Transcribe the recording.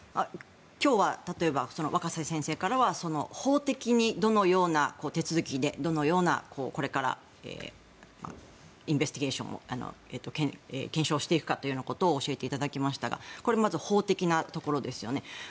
今日は例えば、若狭先生からは法的にどのような手続きでどのような、これからインベスティゲーションを検証していくかということを教えていただきましたがこれ、まず法的なところですよね。